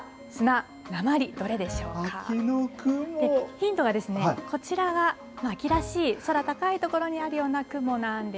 ヒントは、こちらは秋らしい空高い所にあるような雲なんです